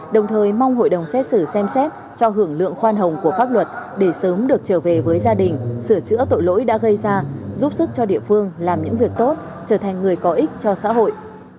đồng thời mong hội đồng xét xử xem xét cho hưởng lượng khoan hồng của pháp luật để sớm được trở về với gia đình sửa chữa tội lỗi đã gây ra giúp sức cho địa phương làm những việc tốt trở thành người có ích cho xã hội